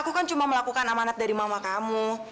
aku kan cuma melakukan amanat dari mama kamu